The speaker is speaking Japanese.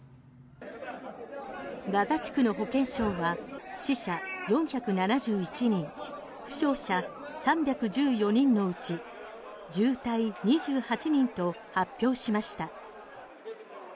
ガザ地区の保健省は死者４７１人負傷者３１４人のうち重体２８人と発表しました。